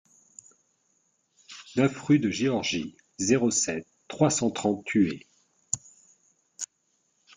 neuf rue de Georgie, zéro sept, trois cent trente Thueyts